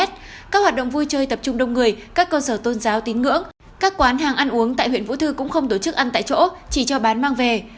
các hoạt động vui chơi tập trung đông người các cơ sở tôn giáo tín ngưỡng các quán hàng ăn uống tại huyện vũ thư cũng không tổ chức ăn tại chỗ chỉ cho bán mang về